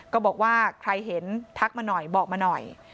ก็บอกว่าใครเห็นทักมาหน่อยบอกมาหน่อย